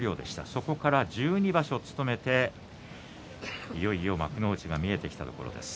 そこから１２場所、務めていよいよ幕内が見えてきたところです。